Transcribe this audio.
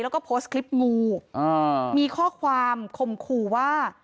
แล้วก็โพสต์คลิปงูมีข้อความคมขู่ว่า